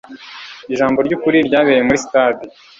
Ijambo ry ukuri ryabereye muri sitade